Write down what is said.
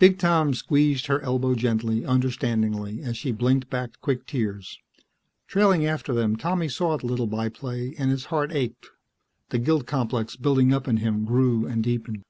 Big Tom squeezed her elbow gently, understandingly, as she blinked back quick tears. Trailing after them, Tommy saw the little by play and his heart ached. The guilt complex building up in him grew and deepened.